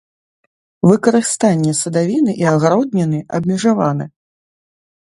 Выкарыстанне садавіны і агародніны абмежаваны.